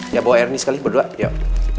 ya bawa air nih sekali berdua yuk